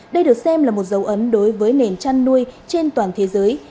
đây được xem là một dấu ấn đối với nền chăn nuôi trên toàn thế giới